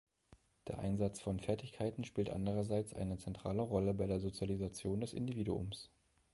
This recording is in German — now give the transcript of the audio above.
Der Einsatz von Fertigkeiten spielt andererseits eine zentrale Rolle bei der Sozialisation des Individuums.